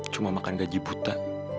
cuma makan gaji buta